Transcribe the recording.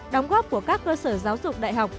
đóng góp của các cơ sở giáo dục đại học